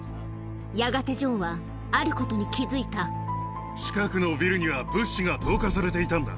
やがてジョンは、あることに近くのビルには物資が投下されていたんだ。